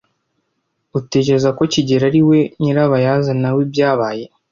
Utekereza ko kigeli ariwe nyirabayazana w'ibyabaye?